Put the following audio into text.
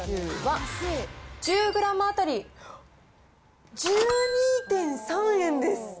１０グラム当たり１２．３円です。